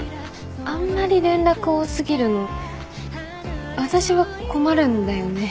あんまり連絡多過ぎるの私は困るんだよね。